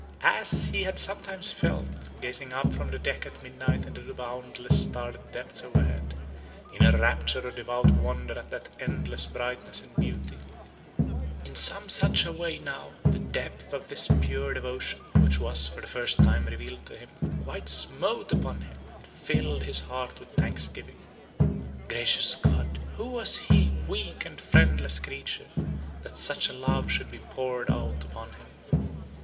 As he had sometimes felt, gazing up from the deck at midnight into the boundless starlit depths overhead, in a rapture of devout wonder at that endless brightness and beauty in some such a way now, the depth of this pure devotion (which was, for the first time, revealed to him) quite smote upon him, and filled his heart with thanksgiving. Gracious God, who was he, weak and friendless creature, that such a love should be poured out upon him?